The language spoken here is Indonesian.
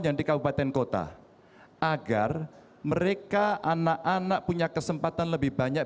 yang di kabupaten kota agar mereka anak anak punya kesempatan lebih banyak